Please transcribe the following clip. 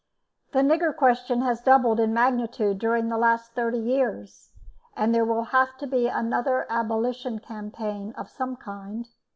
The nigger question has doubled in magnitude during the last thirty years, and there will have to be another abolition campaign of some kind.